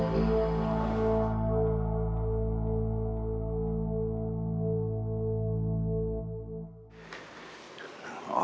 seorang yang takut